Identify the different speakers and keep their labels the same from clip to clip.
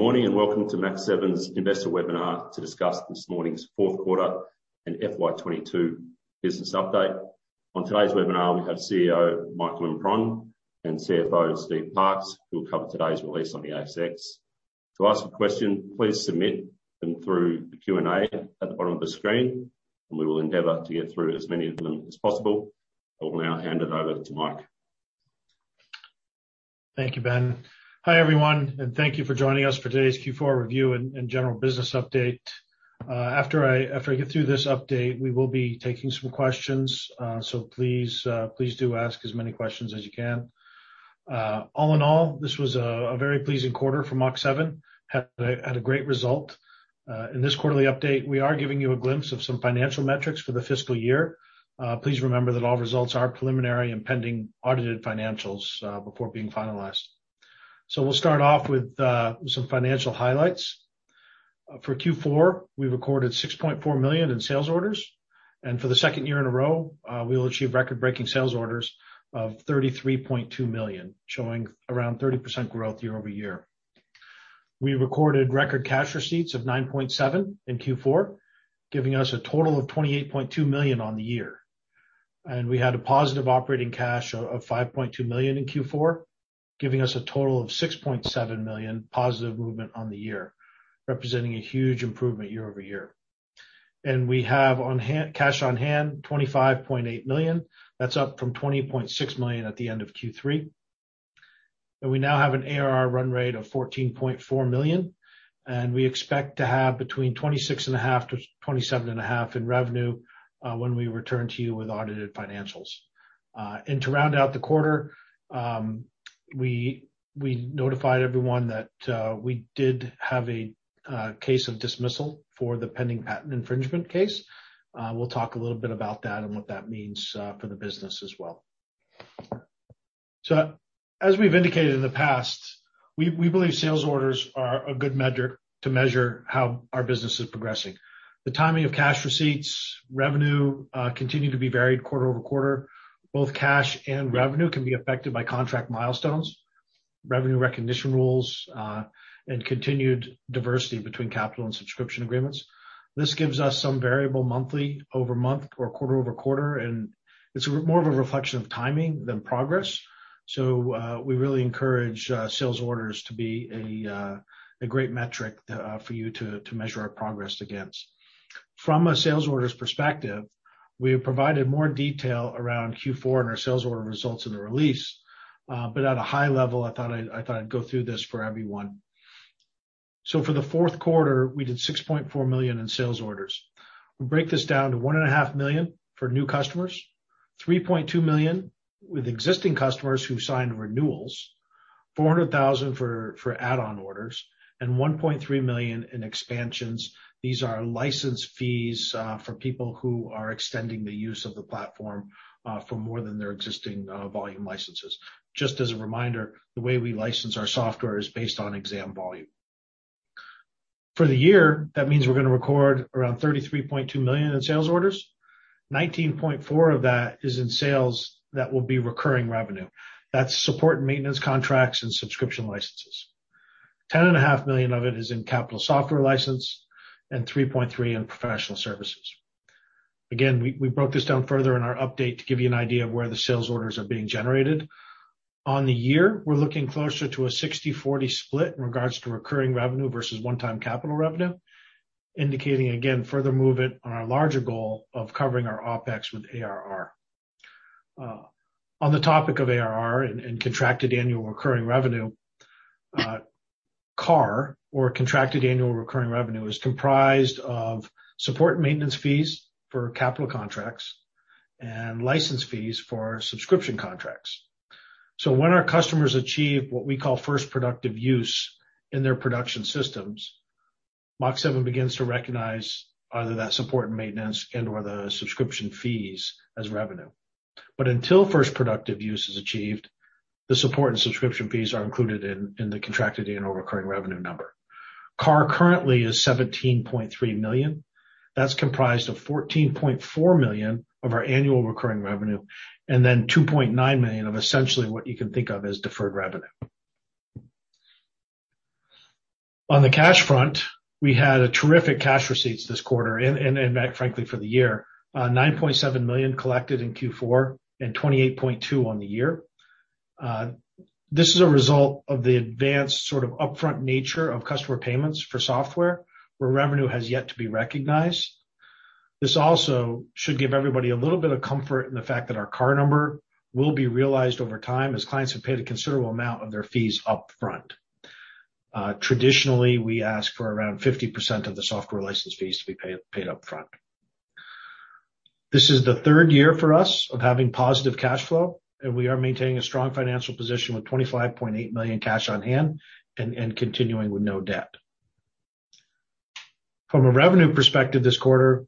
Speaker 1: Good morning, and welcome to Mach7's Investor Webinar to discuss this morning's fourth quarter and FY 2022 business update. On today's webinar, we have CEO Mike Lampron and CFO Steve Parkes, who will cover today's release on the ASX. To ask a question, please submit them through the Q&A at the bottom of the screen, and we will endeavor to get through as many of them as possible. I will now hand it over to Mike.
Speaker 2: Thank you, Ben. Hi, everyone, and thank you for joining us for today's Q4 review and general business update. After I get through this update, we will be taking some questions, so please do ask as many questions as you can. All in all, this was a very pleasing quarter for Mach7. Had a great result. In this quarterly update, we are giving you a glimpse of some financial metrics for the fiscal year. Please remember that all results are preliminary and pending audited financials before being finalized. We'll start off with some financial highlights. For Q4, we recorded 6.4 million in sales orders, and for the second year in a row, we will achieve record-breaking sales orders of 33.2 million, showing around 30% growth year-over-year. We recorded record cash receipts of 9.7 million in Q4, giving us a total of 28.2 million on the year. We had a positive operating cash of 5.2 million in Q4, giving us a total of 6.7 million positive movement on the year, representing a huge improvement year-over-year. We have cash on hand of 25.8 million. That's up from 20.6 million at the end of Q3. We now have an ARR run rate of 14.4 million, and we expect to have between 26.5-27.5 million in revenue when we return to you with audited financials. To round out the quarter, we notified everyone that we did have a case of dismissal for the pending patent infringement case. We'll talk a little bit about that and what that means for the business as well. As we've indicated in the past, we believe sales orders are a good metric to measure how our business is progressing. The timing of cash receipts, revenue, continue to be varied quarter-over-quarter. Both cash and revenue can be affected by contract milestones, revenue recognition rules, and continued diversity between capital and subscription agreements. This gives us some variable month-over-month or quarter-over-quarter, and it's more of a reflection of timing than progress. We really encourage sales orders to be a great metric for you to measure our progress against. From a sales orders perspective, we have provided more detail around Q4 and our sales order results in the release. At a high level, I thought I'd go through this for everyone. For the fourth quarter, we did 6.4 million in sales orders. We break this down to 1.5 million for new customers, 3.2 million with existing customers who signed renewals, 400,000 for add-on orders, and 1.3 million in expansions. These are license fees for people who are extending the use of the platform for more than their existing volume licenses. Just as a reminder, the way we license our software is based on exam volume. For the year, that means we're gonna record around 33.2 million in sales orders. 19.4 million of that is in sales that will be recurring revenue. That's support and maintenance contracts and subscription licenses. 10.5 million of it is in capital software license and 3.3 million in professional services. We broke this down further in our update to give you an idea of where the sales orders are being generated. For the year, we're looking closer to a 60-40 split in regards to recurring revenue versus one-time capital revenue, indicating again, further movement on our larger goal of covering our OPEX with ARR. On the topic of ARR and contracted annual recurring revenue, CARR or contracted annual recurring revenue is comprised of support and maintenance fees for capital contracts and license fees for subscription contracts. When our customers achieve what we call first productive use in their production systems, Mach7 begins to recognize either that support and maintenance and/or the subscription fees as revenue. Until first productive use is achieved, the support and subscription fees are included in the contracted annual recurring revenue number. CARR currently is 17.3 million. That's comprised of 14.4 million of our annual recurring revenue and then 2.9 million of essentially what you can think of as deferred revenue. On the cash front, we had a terrific cash receipts this quarter and frankly, for the year, 9.7 million collected in Q4 and 28.2 million on the year. This is a result of the advanced sort of upfront nature of customer payments for software where revenue has yet to be recognized. This also should give everybody a little bit of comfort in the fact that our CARR number will be realized over time as clients have paid a considerable amount of their fees upfront. Traditionally, we ask for around 50% of the software license fees to be paid upfront. This is the third year for us of having positive cash flow, and we are maintaining a strong financial position with 25.8 million cash on hand and continuing with no debt. From a revenue perspective this quarter,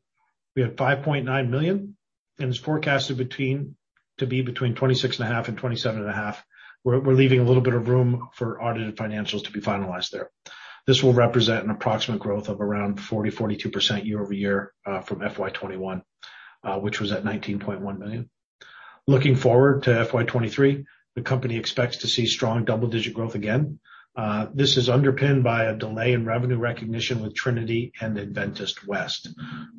Speaker 2: we had 5.9 million, and it's forecasted to be between 26.5 million and 27.5 million. We're leaving a little bit of room for audited financials to be finalized there. This will represent an approximate growth of around 40%-42% year-over-year from FY 2021, which was at 19.1 million. Looking forward to FY 2023, the company expects to see strong double-digit growth again. This is underpinned by a delay in revenue recognition with Trinity Health and Adventist Health West,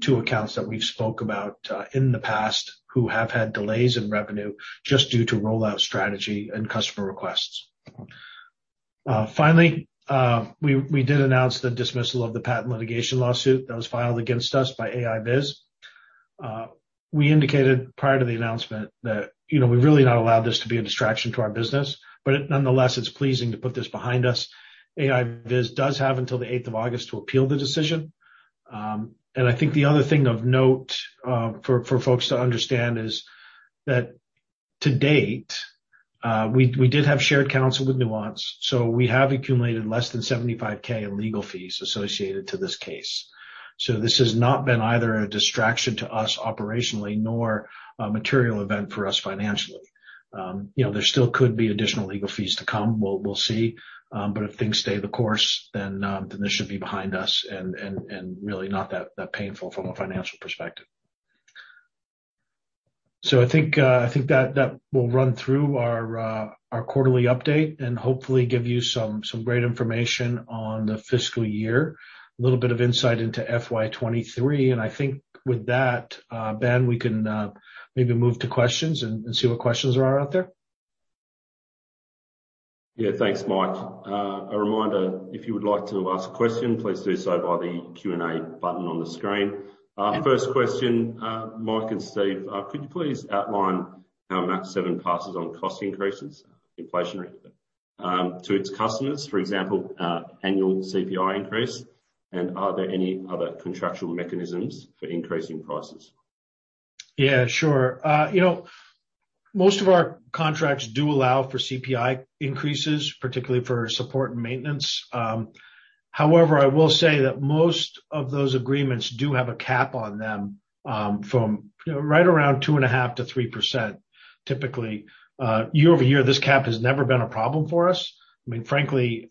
Speaker 2: two accounts that we've spoke about in the past, who have had delays in revenue just due to rollout strategy and customer requests. Finally, we did announce the dismissal of the patent litigation lawsuit that was filed against us by AI Visualize. We indicated prior to the announcement that, you know, we've really not allowed this to be a distraction to our business, but nonetheless, it's pleasing to put this behind us. AI Visualize does have until the 8th of August to appeal the decision. I think the other thing of note, for folks to understand is that to date, we did have shared counsel with Nuance, so we have accumulated less than 75K in legal fees associated to this case. This has not been either a distraction to us operationally nor a material event for us financially. You know, there still could be additional legal fees to come. We'll see. But if things stay the course, then this should be behind us and really not that painful from a financial perspective. I think that will run through our quarterly update and hopefully give you some great information on the fiscal year, a little bit of insight into FY 2023, and I think with that, Ben, we can maybe move to questions and see what questions are out there.
Speaker 1: Yeah. Thanks, Mike. A reminder, if you would like to ask a question, please do so by the Q&A button on the screen. First question, Mike and Steve, could you please outline how Mach7 passes on cost increases, inflation, to its customers? For example, annual CPI increase, and are there any other contractual mechanisms for increasing prices?
Speaker 2: Yeah, sure. You know, most of our contracts do allow for CPI increases, particularly for support and maintenance. However, I will say that most of those agreements do have a cap on them from right around 2.5%-3% typically. Year-over-year, this cap has never been a problem for us. I mean, frankly,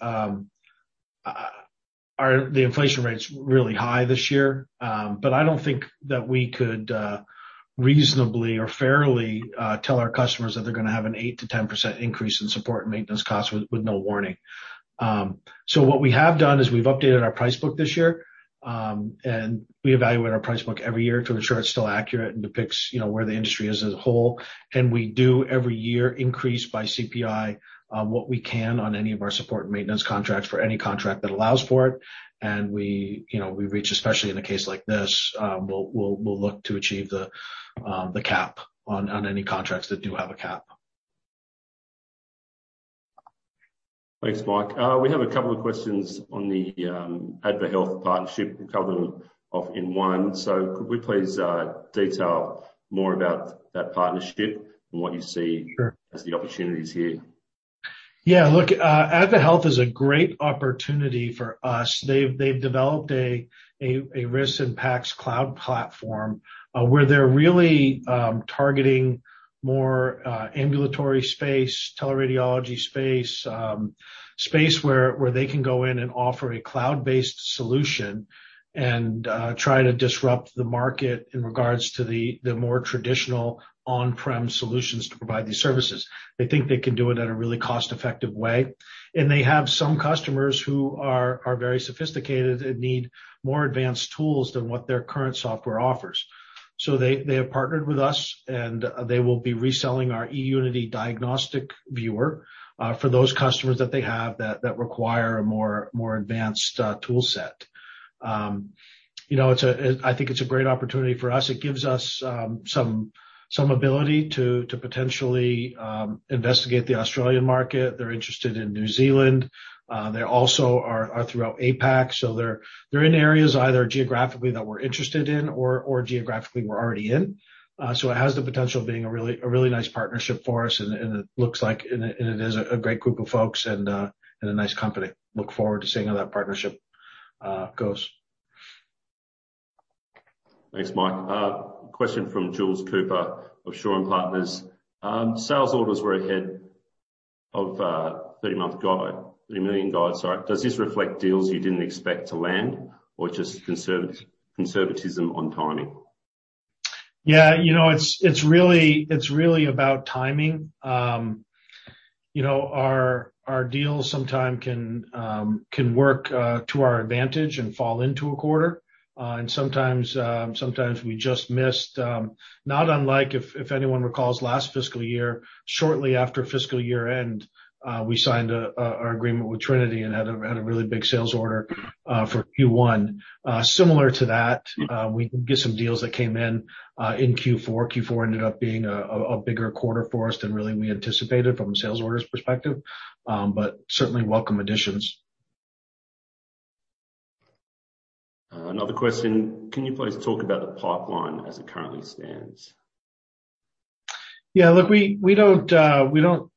Speaker 2: the inflation rate's really high this year, but I don't think that we could reasonably or fairly tell our customers that they're gonna have an 8%-10% increase in support and maintenance costs with no warning. What we have done is we've updated our price book this year, and we evaluate our price book every year to ensure it's still accurate and depicts, you know, where the industry is as a whole. We do every year increase by CPI what we can on any of our support and maintenance contracts for any contract that allows for it. You know, we reach, especially in a case like this, we'll look to achieve the cap on any contracts that do have a cap.
Speaker 1: Thanks, Mike. We have a couple of questions on the AdvaHealth partnership. We'll cover them off in one. Could we please detail more about that partnership and what you see
Speaker 2: Sure.
Speaker 1: as the opportunities here?
Speaker 2: Yeah. Look, AdvaHealth is a great opportunity for us. They've developed a RIS and PACS cloud platform, where they're really targeting more ambulatory space, teleradiology space, space where they can go in and offer a cloud-based solution and try to disrupt the market in regards to the more traditional on-prem solutions to provide these services. They think they can do it in a really cost-effective way, and they have some customers who are very sophisticated and need more advanced tools than what their current software offers. They have partnered with us, and they will be reselling our eUnity Diagnostic Viewer for those customers that they have that require a more advanced tool set. You know, I think it's a great opportunity for us. It gives us some ability to potentially investigate the Australian market. They're interested in New Zealand. They also are all throughout APAC. They're in areas either geographically that we're interested in or geographically we're already in. It has the potential of being a really nice partnership for us, and it looks like it is a great group of folks and a nice company. Look forward to seeing how that partnership goes.
Speaker 1: Thanks, Mike. Question from Jules Cooper of Shaw and Partners. Sales orders were ahead of 30 million guide, sorry. Does this reflect deals you didn't expect to land or just conservatism on timing?
Speaker 2: Yeah, you know, it's really about timing. You know, our deals sometimes can work to our advantage and fall into a quarter. Sometimes we just missed, not unlike if anyone recalls last fiscal year, shortly after fiscal year-end, we signed an agreement with Trinity and had a really big sales order for Q1. Similar to that.
Speaker 1: Mm-hmm.
Speaker 2: We did get some deals that came in in Q4. Q4 ended up being a bigger quarter for us than really we anticipated from a sales orders perspective, but certainly welcome additions.
Speaker 1: Another question. Can you please talk about the pipeline as it currently stands?
Speaker 2: Yeah. Look, we don't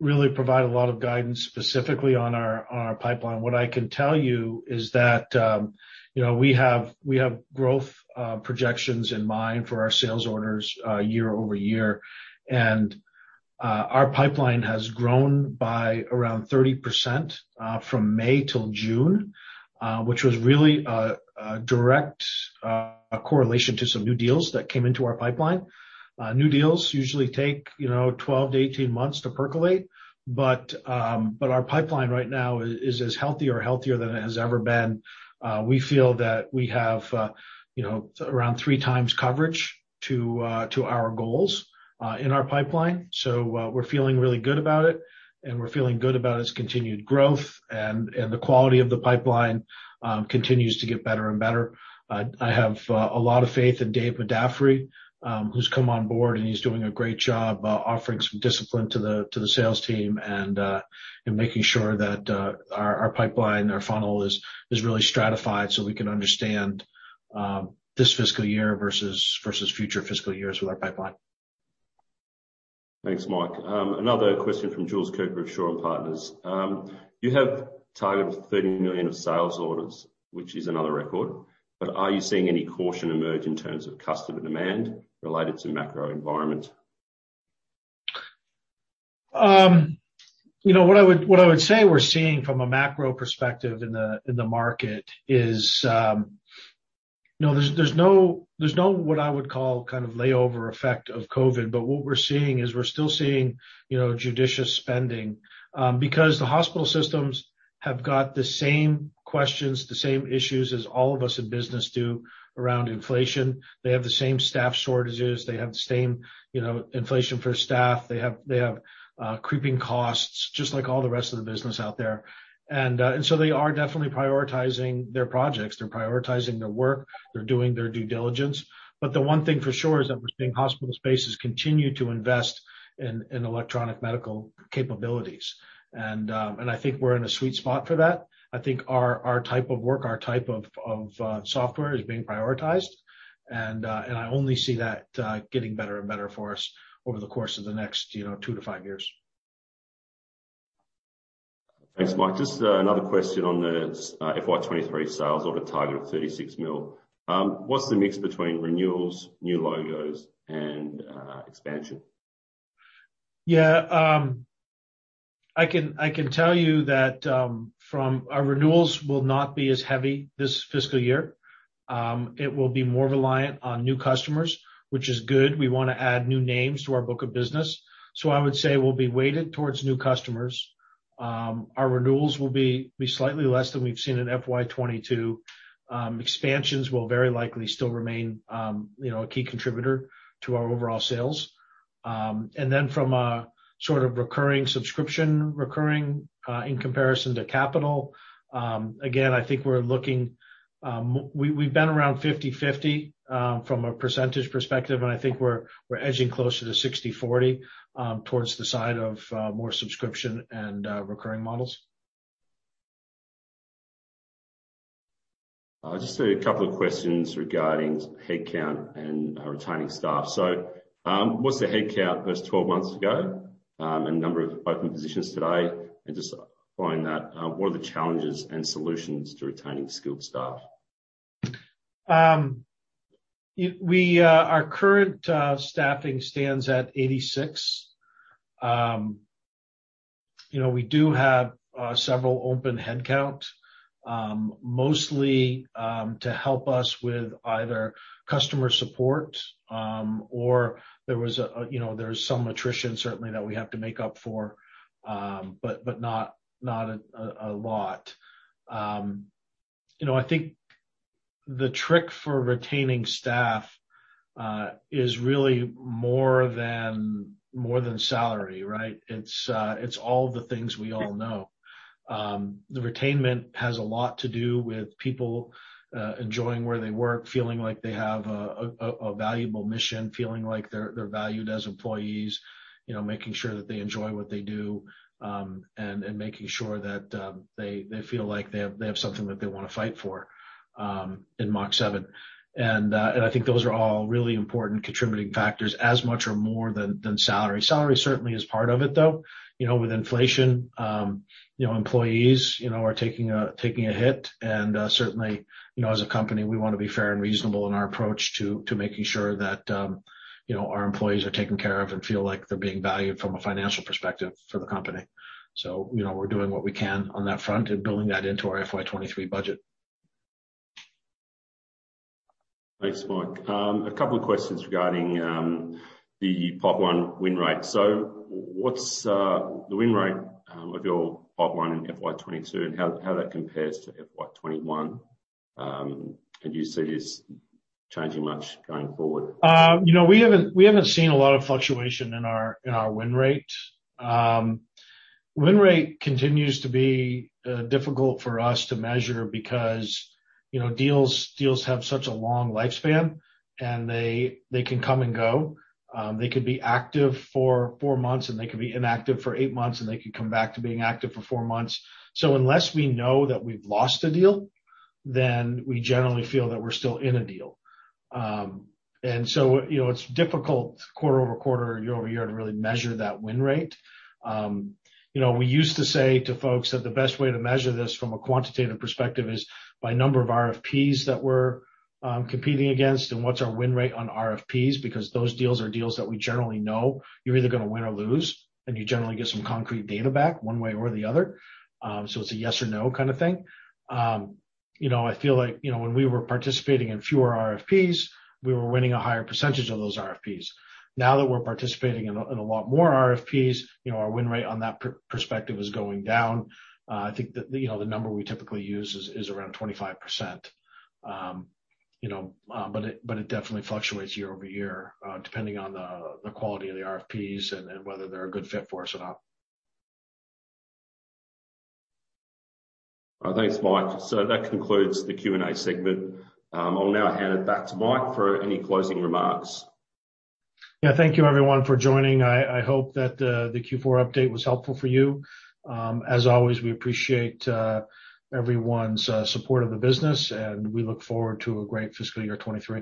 Speaker 2: really provide a lot of guidance specifically on our pipeline. What I can tell you is that you know, we have growth projections in mind for our sales orders year-over-year, and our pipeline has grown by around 30% from May till June, which was really a direct correlation to some new deals that came into our pipeline. New deals usually take, you know, 12-18 months to percolate, but our pipeline right now is as healthy or healthier than it has ever been. We feel that we have you know around 3x coverage to our goals in our pipeline. So we're feeling really good about it, and we're feeling good about its continued growth. The quality of the pipeline continues to get better and better. I have a lot of faith in David Madaffri, who's come on board, and he's doing a great job, offering some discipline to the sales team and making sure that our pipeline, our funnel is really stratified so we can understand this fiscal year versus future fiscal years with our pipeline.
Speaker 1: Thanks, Mike. Another question from Jules Cooper of Shaw and Partners. You have targeted 30 million of sales orders, which is another record, but are you seeing any caution emerge in terms of customer demand related to macro environment?
Speaker 2: You know, what I would say we're seeing from a macro perspective in the market is, you know, there's no what I would call kind of layover effect of COVID, but what we're seeing is we're still seeing, you know, judicious spending because the hospital systems have got the same questions, the same issues as all of us in business do around inflation. They have the same staff shortages, they have the same, you know, inflation for staff, they have creeping costs just like all the rest of the business out there. They are definitely prioritizing their projects, they're prioritizing their work, they're doing their due diligence. The one thing for sure is that we're seeing hospital systems continue to invest in electronic medical capabilities. I think we're in a sweet spot for that. I think our type of work, our type of software is being prioritized, and I only see that getting better and better for us over the course of the next, you know, two to five years.
Speaker 1: Thanks, Mike. Just another question on the FY 2023 sales order target of 36 million. What's the mix between renewals, new logos and expansion?
Speaker 2: Yeah. I can tell you that from our renewals will not be as heavy this fiscal year. It will be more reliant on new customers, which is good. We wanna add new names to our book of business. I would say we'll be weighted towards new customers. Our renewals will be slightly less than we've seen in FY 2022. Expansions will very likely still remain, you know, a key contributor to our overall sales. From a sort of recurring subscription in comparison to capital, again, I think we've been around 50/50 from a percentage perspective, and I think we're edging closer to 60/40 towards the side of more subscription and recurring models.
Speaker 1: Just a couple of questions regarding headcount and retaining staff. What's the headcount versus 12 months ago, and number of open positions today? Just following that, what are the challenges and solutions to retaining skilled staff?
Speaker 2: Our current staffing stands at 86. You know, we do have several open headcount, mostly to help us with either customer support, or you know, there's some attrition certainly that we have to make up for, but not a lot. You know, I think the trick for retaining staff is really more than salary, right? It's all the things we all know. The retainment has a lot to do with people enjoying where they work, feeling like they have a valuable mission, feeling like they're valued as employees, you know, making sure that they enjoy what they do, and making sure that they feel like they have something that they wanna fight for in Mach7. I think those are all really important contributing factors as much or more than salary. Salary certainly is part of it, though. You know, with inflation, employees are taking a hit. Certainly, you know, as a company, we wanna be fair and reasonable in our approach to making sure that, you know, our employees are taken care of and feel like they're being valued from a financial perspective for the company. You know, we're doing what we can on that front and building that into our FY 2023 budget.
Speaker 1: Thanks, Mike. A couple of questions regarding the [pop one] win rate. What's the win rate of your [pop one] in FY 2022 and how that compares to FY 2021? Do you see this changing much going forward?
Speaker 2: You know, we haven't seen a lot of fluctuation in our win rate. Win rate continues to be difficult for us to measure because, you know, deals have such a long lifespan, and they can come and go. They could be active for four months, and they could be inactive for eight months, and they could come back to being active for four months. Unless we know that we've lost a deal, then we generally feel that we're still in a deal. You know, it's difficult quarter-over-quarter, year-over-year to really measure that win rate. You know, we used to say to folks that the best way to measure this from a quantitative perspective is by number of RFPs that we're competing against and what's our win rate on RFPs, because those deals are deals that we generally know you're either gonna win or lose, and you generally get some concrete data back one way or the other. It's a yes or no kind of thing. You know, I feel like, you know, when we were participating in fewer RFPs, we were winning a higher percentage of those RFPs. Now that we're participating in a lot more RFPs, you know, our win rate on that perspective is going down. I think the number we typically use is around 25%. You know, it definitely fluctuates year-over-year, depending on the quality of the RFPs and whether they're a good fit for us or not.
Speaker 1: Thanks, Mike. That concludes the Q&A segment. I'll now hand it back to Mike for any closing remarks.
Speaker 2: Yeah. Thank you everyone for joining. I hope that the Q4 update was helpful for you. As always, we appreciate everyone's support of the business, and we look forward to a great fiscal year 2023.